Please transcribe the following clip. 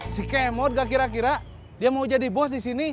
si kemot gak kira kira dia mau jadi bos disini